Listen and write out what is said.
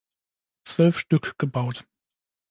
Zwölf Stück gebaut.